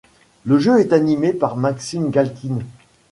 Le jeu est animé par Maxime Galkine.